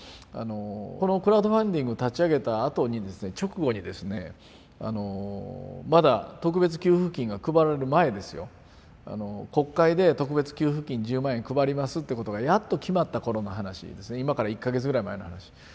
このクラウドファンディング立ち上げたあとにですね直後にですねまだ特別給付金が配られる前ですよ国会で特別給付金１０万円配りますってことがやっと決まった頃の話ですね今から１か月ぐらい前の話。